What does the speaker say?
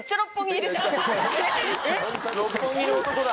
六本木の男だ。